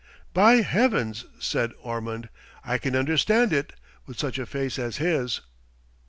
"By heavens!" said Ormond, "I can understand it, with such a face as his."